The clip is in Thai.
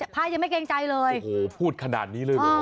พระยังไม่เกรงใจเลย